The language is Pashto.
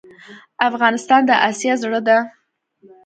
افغانستان د آسیا زړه ده.